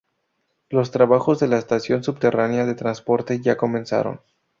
Los trabajos de la estación subterránea de transporte ya comenzaron.